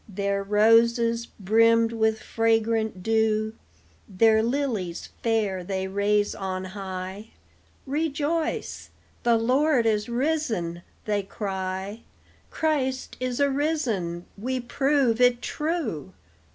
Their roses, brimmed with fragrant dew, Their lilies fair they raise on high; "Rejoice! The Lord is risen!" they cry; "Christ is arisen; we prove it true!